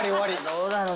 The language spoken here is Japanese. どうだろう？